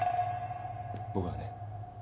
僕はね